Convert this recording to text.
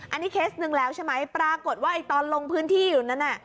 อันนี้เคสหนึ่งแล้วใช่ไหมปรากฏว่าตอนลงพื้นที่อยู่นั้นน่ะ